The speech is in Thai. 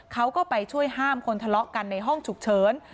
เขาก็ไปช่วยห้ามคนทะเลาะกันในห้องฉุกเฉิน